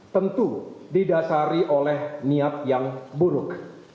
tentu didasari oleh niat yang buruk